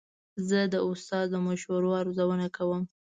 زه د استاد د مشورو ارزونه کوم.